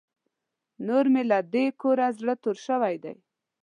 نور مې له دې کوره زړه تور شوی دی.